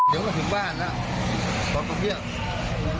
เถอะถึงบ้านเขาต้องเบี้ยม